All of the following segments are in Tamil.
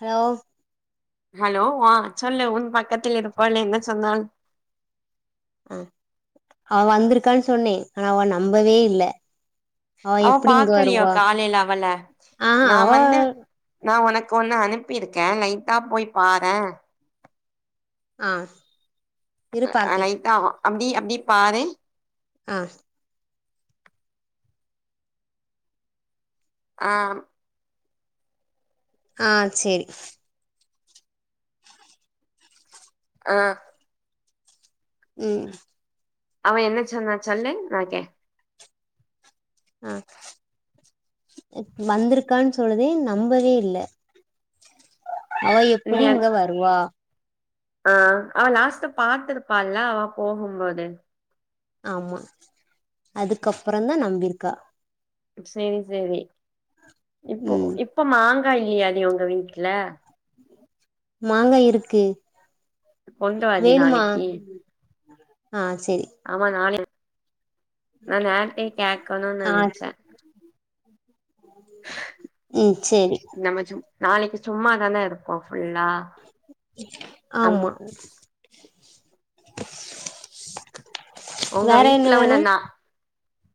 ஹலோ ஹலோ வா சொல்லு உன் பக்கத்தில் இருப்பவள் என்ன சொன்னாள் அ அவ வந்துருக்கான்னு சொன்னே ஆனா அவ நம்பவே இல்ல அவ எப்டி இங்க பாக்கலயோ வருவா காலேல அவள ஆ நா அவ வந்து நா ஒனக்கு இப்ப ஒன்னு அனுப்பிருக்கே லைட்டா போய் பாரே ஆ இருப்பாக்கே நைட்டா அப்டி அப்டி பாரு அ அ அ செரி அ ம் அவ என்னச் சொன்னாச் சொல்லு நான்கே அ வந்துருக்கான்னு சொல்லுதே நம்பவே இல்ல அவ நீ எப்புடி அ- இங்க வருவா ஆ அவ லாஸ்ட்டு பாத்திருப்பால்ல அவ போகும் போது ஆமா அதுக்கப்புற தா நம்பிருக்கா சேரி சேரி இப்போ ம் இப்ப மாங் ங்கா இல்லையாடி ஒங்க வீட்ல மாங்கா இருக்கு கொண்டு வாடி வேணுமா நாளிக்கு ஆ சேரி ஆமா நாலிக் கேக்கணுன் ஆ சொ நெனச்சே ம் சேரி நம்ம சும் நாளைக்கு சும்மாதான இருப்போ ஃபுல்லா அம் ஆமா உங்க வேற என்ன வீட்ல உள்ள வேணு நா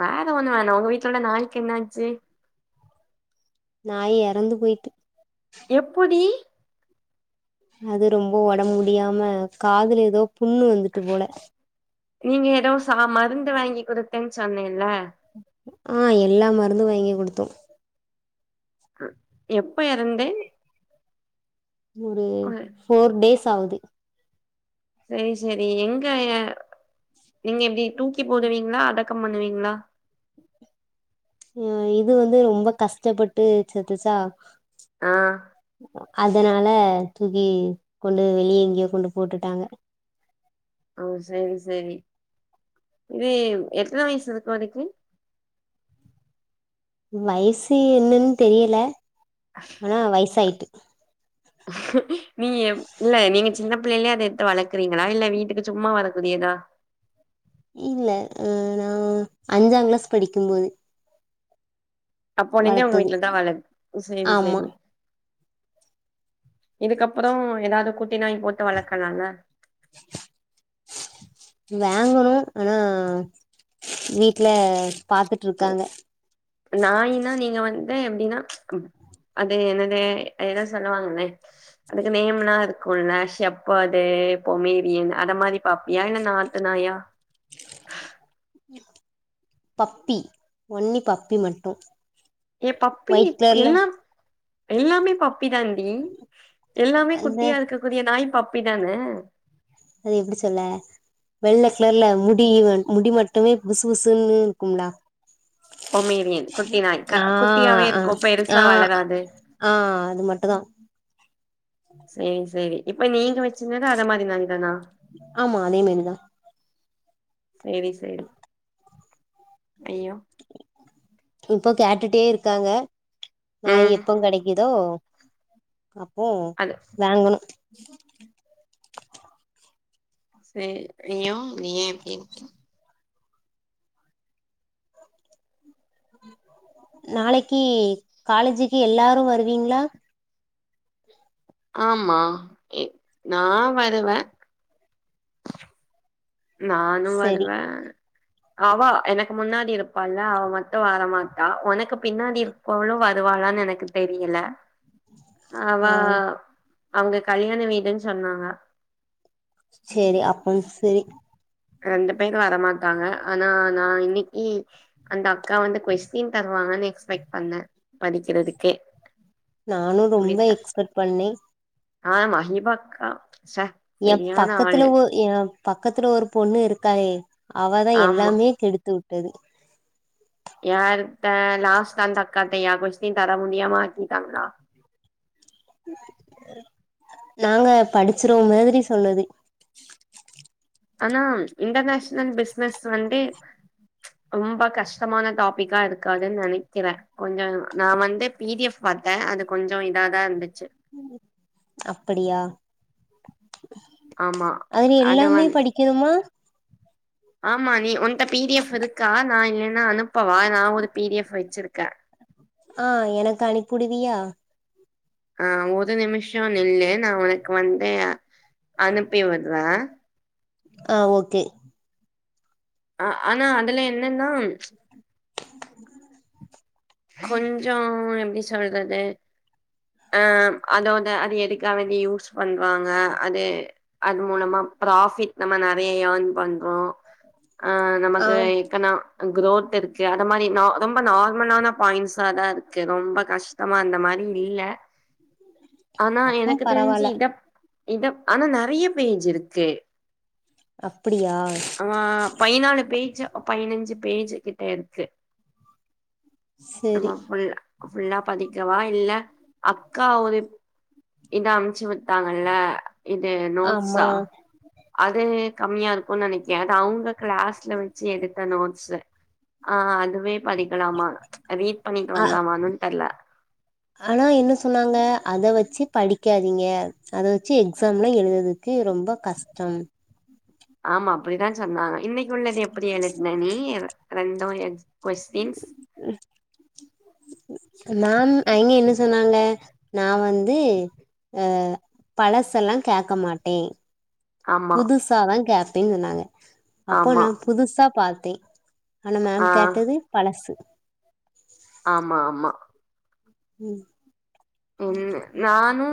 வேற ஒண்ணு வேணா உங்க வீட்ல உள்ள நாய்க்கு என்னாச்சு நாய் எறந்து போய்ட்டு எப்புடி அது ரொம்ப உடம் முடியாம காதுல ஏதோ புண்ணு வந்துட்டு போல நீங்க ஏதோ ச மருந்து வாங்கி குடுத்தேன்னு சொன்னேல்ல ஆ எல்லா மருந்து வாங்கிக் குடுத்தோ எப்ப எறந்தே ஒரு ஃபோர் டேஸ் ஆவுது செரி செரி எங்கய நீங்க எப்டி தூக்கி போடுவீங்களா அடக் க்கம் பண்ணுவீங்ளா அ இது வந்து ரொம்ப கஷ்டப்பட்டு செத்துச்சா ஆ அதனால தூக்கி கொண்டு வெளிய எங்கேயோ கொண்டு போட்டுட்டாங்க அ செரி செரி இது எத்ன வயசு இதுக் வரைக்கி வயசு என்னன் தெரியல ஆனா வயசாயிட்டு ஆ சு நீங்கப் இல்ல நீங்க சின்ன பிள்ளையா அதெடுத்து வளக்குறீங்களா இல்ல வீட்டுக்கு சும்மா வளக்குறீங்ளா இல்ல அ ‌ நா‌ அஞ்சாங் கிளாஸ் படிக்கும் போது அப்போ நீங்க உங்க வீட்ல தா வளக் செரி ஆமா செரி இதுக்கப்புறோ எதாவ்து குட் டி நாய் போட்டு வளக்கலால நாங்களு ஆனா வீட்ல பாத்துட்ருக்காங்க நாயினா நீங்க வந்து எப்டினா அது என்னது அது எதோ சொல்லுவாங்ளே அதுக்கு நேம்லா இருக்கும்ல ஷெப்பார்டு ஏ பொமேரியன் ‌அந்த‌ ‌‌ மாரி பாப்பியா இல்ல நாட்டு நாயா பப்பி ஒன்லி‌‌ பப்பி மட்டு ஏ பப்பி ஒயிட் கலர்ல எல்லா எல்லாமே ப பி தாண்டி எல்லாமே அந்த குட்டியா இருக்கக்கூடிய நாய் பப்பி தானே அது எப்டி சொல்ல வெள்ள செல்ல முடியிவன் முடி மட்டுமே புசு புசுன்னு இருக்கும்லா பொமேரியன் குட்டி நாய் க ஆ குட்டியாவே ஆ இருக்கூ ஆ பெருசா வளராது ஆ அது ‌ மட்டு தா சேர் செரி இப்ப நீங்க வச்சிந்தது அத மாரி நாய் தானா ஆமா அதே மாரி தா செரி செரி ஐயோ இப்போ கேட்டுட்டே இருக்காங்க நாய் ம் எப்போ கெடைக்குதோ அப்போ அது வாங்குணு செ யோ நீ ஏ இப்டிருக்கே நாளைக்கி காலேஜிக்கி எல்லாரு வருவீங்ளா ஆமா நா வருவே நானு செரி வருவே அவா எனக்கு முன்னாடி இருப்பால அவ மட்டு வரமாட்டா உனக்கு பின்னாடி இருப்பவுளு வருவா அளான் எனக்கு தெரியில அவா ஆ அவுங்க கல்யாண வீடுன் சொன்னாங்க செரி அப்போ செரி க்ரெண்டு பேர் வரமாட் டாங்க ஆனா நா இன்னிக்கி அந்தக்கா வந்து கொஸ்டின் த ருவாங்கன் எக்ஸ்பெக்ட் பண்ணே படிக்கிறதுக்கே நானு இப்டி ரொம்ப இருக்கா எக்ஸ்பெட் பண்ணே ஆ மஹி பக்கா ஏ பக்கத்துல ஒ ஏ பக் கத்துல ஒரு பொண்ணு இருக்காளே அவதா ஆமா எல்லாமே கெடுத்து உட்டது யாருட்ட லாஸ்ட்ல அந்தக்காட்டயா கொஸ்டின் தர முடியாம ஆக்கிடீடாங்ளா நாங்க படிச்சுருவோ மாத்ரி சொன்னது ஆனா இன்டர்நேஷ்னல் பிஸ்னஸ் வந்து ரொம்ப கஷ்டமான டாபிக்கா இருக்காதுன் நெனைக்கிறே கொஞ்சு நா வந்து பி டி எஃப் பா த்தே அது கொஞ்சு இத தா இர்ந்துச்சு அப்படியா ஆமா அதுல அது எல்லாமே வந் படிக்கெணுமா ஆமா நீ உன்ட பி டி எஃப் இருக்கா நா இல்லேன்னா அனுப்பவா நா ஒரு பி டி எஃப் வெச்சிருக்கே ஆ எனக் அனிப்புடுவியா ஆ ஒரு நிமிஷோ நில்லு நா உனக்கு வந்து அனுப்பி விட்றே ஆ ஓகே அ ஆனா அதுல என்னன்னா [inaudible] கொஞ்சோ எப்டி சொல்றது அ அதாவது அது எதுக்காவ் வேண்டி யூஸ் பண்றாங்க அது அது மூலமா ப்ராஃபிட் நம்ம நெறைய யேன் பன் மு அ நமக்கு ஆம் எக்கனா குரோத் இருக்கு அத மாரி நா கம் நார்மலான பாய்ண்ட்ஸா தா இருக்கு ரொம்ப கஷ்ட மா அந்த மாரி இல்ல ஆனா அப்பம் எனக்கு தெரிஞ்சி பரவால்ல இத இதும் ஆனா நறைய பேஜ் இருக்கு அ அ பய்னாலு பேஜு பய்னஞ்சு பேஜு கிட்ட இருக்கு செரி நம்மோ ஃபுல் ஃபுல்லா பாதி ங்க வா இல்ல அக்கா ஒரு இது அம்ச்சு வி த்தாங்கல்ல இது ஆமா நோட்ஸா அது கம்மியாரு நெனைக்க அது அவ்ங்க க்ளாஸ்ல வெச்சு எடுத்த நோட்ஸு அ அ அதுவே பாடிக்கலாமா ரீட் பண்ணிட்டு ஆ வரலாமான்னு தெர்ல ஆனா என்ன சொன்னாங்க அத வெச்சு படிக்காதீங்க அத வெச்சு எக்ஸாம்லா எழுததுக் ரொம்ப கஷ்டோன் ஆமா அப்படிதா சொன்னாங்க இன்னைக் உள்ளது எப்படி எழுத்ன நீ ரெண்டு எக்ஸ் கொஸ்டின்ஸ் மேம் அனைக்கே என்ன சொன்னாங்க நா வந்து அ பழசெல்லா கேக்க மாட்டே ஆமா புதுசா தா கேப்பேன் சொன்னாங்க அப்போ ஆமா நா புதுசா பாத்தே ஆனா மேம் ஆ கேட்டது பழசு ஆமா ஆமா ம் ம் நானு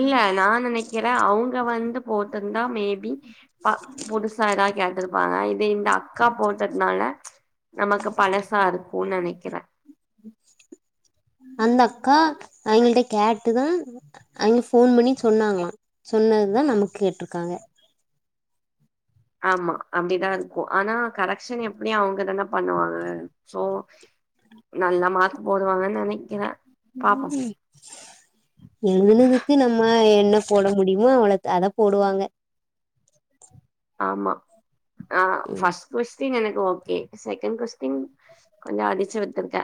இல்ல நா நெனைக்கிறே அவுங்க வந்து போட்டுர்ந்தா மேபி ப புதுசா த கேட்டுருப்பாங்க இந்த அக்கா போட்டத்னால நமக்கு பழசா இருக்குன் நெனைக்கிறே அந்த அக்கா அவிங்கள்ட்ட கேட்டு தா அவிங்க ஃபோன் பண்ணி சொன்னாங்ளா சொன் ன்னது தா நமக் கேட்ருக்காங்க [inaudible] ஆமா அப்டிதா இருக்கு ஆனா கரெக்க்ஷன் எப்புடியு‌ அவுங்கதானே பண்ணுவாங்க சோ நல்ல மார்க் போடுவாங்கன் நனைக்கிறே எழுதுனதுக்கு நம்ம என்ன போட முடியுமோ அவ்ள அத போடுவாங்க ஆமா அ ம் பஸ் கொஸ் டின் எனக்கு ஓகே செகண் கொஸ்டின் கொஞ்ச அடிச்சு விட்டுருக்கே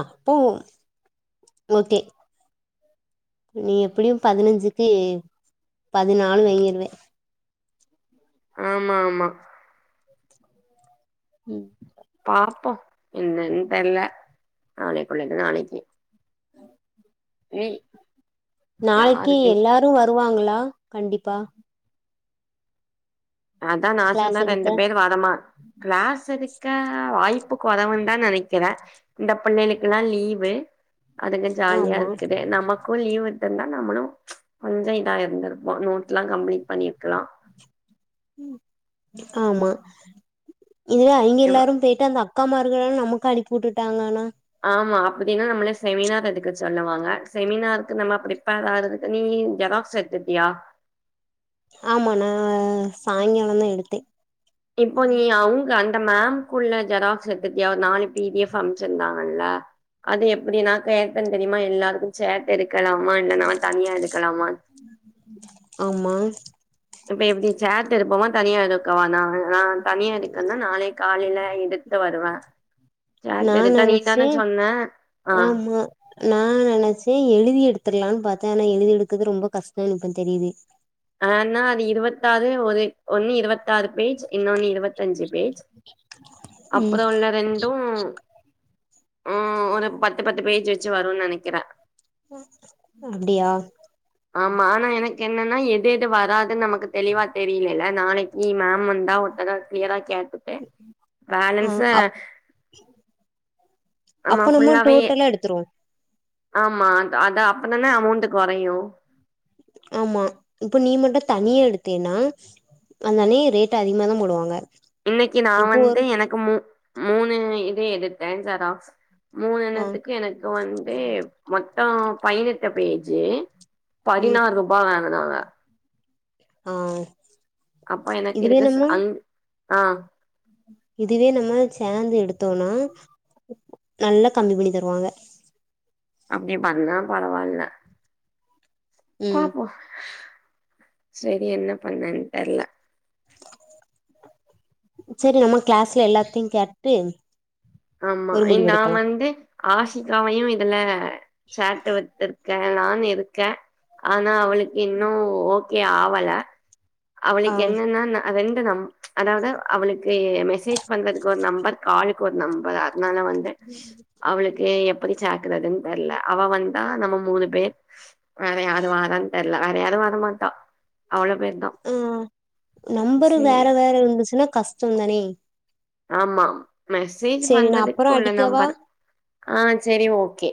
அப்போ ஓகே நீ எப்புடியு பதினஞ்சுக்கு பதினாலு வாங்கிருவே ஆமா ஆமா ம் பாப்போ என்னன்னு தெர்ல நாளைக்குள்ளது நாளைக்கி நாளைக்கி யாருக்கு எல்லாரு வ ருவாங்களா கண்டிப்பா நா தா நா கிளாஸ் சொன்ன எடுக்க ரெண்டு பேர் வரமாட் கிளாஸ் எடுக்க வாய்ப்புக் கொறவு தா நெனைக்கிறே இந்த புள்ளேளுக்கெல்லா லீவு அதுங்க ஜாலியா ஆமா இருக்குது நமக்கு லீவ் இருந்தா நம்மளு கொஞ்சோ இதா இருந்திருப்போ நோட்ஸல்லா கம்ப்ளீட் பண்ணிருக்கலா ஆமா இதுலே அங்க இவ எல்லாரு போய்ட்டு அந்த அக்காமார்கள்லா நமக்கு அனுப்பி உட்டுட்டாங்கனா ஆமா அப்பிடின்ன நம்மளே செமினார் எடுக்க சொல்லுவாங்க செமினாருக்கு நம்ம பிரப்பர் அரதுக்கனி நீ ஏதாவது நோட்ஸெடுத்துட்டியா ஆமா நா சாய்ங்கால தா எடுத்தே இப்போ நீ அவுங்க னுப் இந்த மேம்குள்ள ஜெராக்ஸ் எடுத்துட்டியா ஒரு நாலு பீடிஎஃப் அனுப்சுருந்தாங்கல அது எப்பிடினா கேட்டே தெரியுமா எல்லாருக்கு சேர் எடுக்கலாமா இல்ல நா தனியா எடுக்கலாமா ஆமா இப்ப எப்பிடி சேர்ந்து எடுப்போமா தனியா எடுக்கவா நானு நா தனியா இருக்கன்னா நாளை காலையில எடுத்து வருவே நா நனைச்சே சொன்ன ஆ ஆமா நா நெனைச்சே எழுதி எடுத்து எடுத்துகலான்னு பாத்தே ஆனா எழுதி எடுக்கறது ரொம்ப கஷ்டம்னு இப்போ தெரியுது நான்னாரு இருபத்தாறு ஒரு ஒன்னு இருபத்தாறு பேஜ் இன்னொன்னு இருபத்தஞ்சு பேஜ் அப்புறோ இந்த ரெண்டு ம் ஒரு பத்து பத்து பேஜ் வெச்சு வருன்னு நெனைக்கிறே ஓ ஓ அப்டியா ஆமா ஆனா எனக்கு என்னன்னா எதேது வராதுன்னு நமக்கு தெளிவா தெரியலேல்ல நாளைக்கி மேம் வந்தா ஒருத்தட கிளியரா கேட்ருப்பே ஆ பேலன்ஸ அப் ஆமா அப்ப நம்ம ஃபுல்லாவே டோட்டலா எடுத்துருவோ ஆமா அது அப்பதான அமௌண்ட்டு கொறையு ஆமா இப்ப நீ மட்டு தனிய எடுத்தேன்னா அந்த அண்ணே ரேட் அதிகமா தா போடுவாங்க இன்னைக்கி நா இப்போ வந்து ஒரு எனக்கு மூ மூணுன்னு இது எடுத்தே சரோ ஆ மூணுண்ணத்துக்கு எனக்கு வந்து மொத்தோ பயனத்து பயனஞ்சி ம் பதினாறு ரூபா வாங்குனாங்க ஆ அப்ப எனக்கு இதுவே இருக்கு ச நம்ம அந் ஆ இதுவே நம்ம சேந்தேடுத்தோன்னா நல்லா கம்மி பண்ணி தருவாங்க அப்டியே பண்ணா பரவால்ல ம் பாப்போ செரி என்ன பண்ணேன் தெர்ல செரி நம்ம கிளாஸ்ல எல்லாத்திட்டயு கேட்டுட்டு ஆமா நா வந்து ஆசிகாவையு இதுல சார்ட்டு வத்துருக் த்தே நானு இருக்கே ஆனா அவளுக்கு இன்னு ஓகே ஆவல ஆ அவளுக்கு என்னன்னா ரெண்டு நம் அதாவது அவளுக்கு மெசேஜ் வந்ததுக்கு ஒரு நம்பர் காலுக்கு ஒரு நம்பர் அதனால வந்து அவளுக்கு எப் படி ச்சக்குறதுன்னு தெர்ல அவ வந்தா நம்ம மூணு பேர் வேற யாரு வாறான்னு தெர்ல வேற யாரு வரமாட்டா அவள பேர்தா ம் நம்பரு வேற சேரி வேற இருந்துச்சுன்னா கஷ்டோ தானே ஆமா மெசேஜ் செரி நா பண்றதுக்கு அப்பறோ வேற அடிக்கவா நம்பர் ஆ சேரி ஓகே